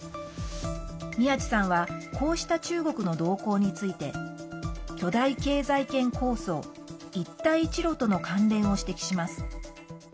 宮地さんはこうした中国の動向について巨大経済圏構想一帯一路との関連を指摘します。